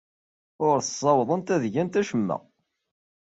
Ur ssawaḍent ad gent acemma.